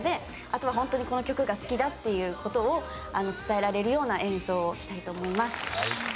あとはホントにこの曲が好きだっていうことを伝えられるような演奏をしたいと思います。